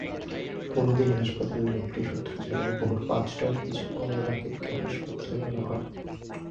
কুমুদিনী হাসপাতালের একটি সূত্র জানায়, ভোর পাঁচটার কিছু পরে রাকিবকে হাসপাতালে আনা হয়।